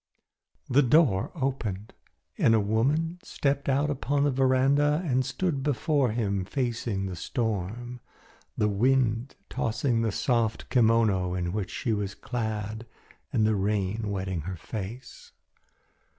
The door opened and a woman stepped out upon the veranda and stood before him facing the storm, the wind tossing the soft kimono in which she was clad and the rain wetting her face.